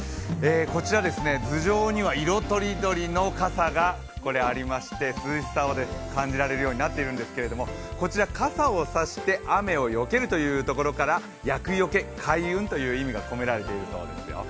こちら頭上には色とりどりの傘がありまして、涼しさを感じられるようになっているんですけどこちら傘を差して雨をよけるというところから厄よけ・開運という意味が込められているようですよ。